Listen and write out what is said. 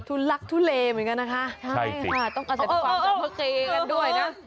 ทุลักทุเลเหมือนกันนะคะใช่สิต้องอาศัยตุภาพจากพระเกย์กันด้วยนะ